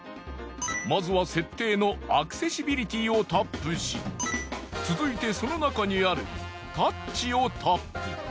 まずは設定のアクセシビリティをタップし続いてその中にあるタッチをタップ。